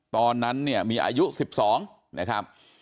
ตอนนั้นเนี่ยมีอายุ๑๒นะครับ